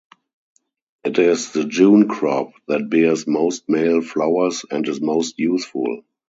It is the June crop that bears most male flowers and is most useful.